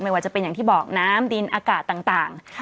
ว่าจะเป็นอย่างที่บอกน้ำดินอากาศต่าง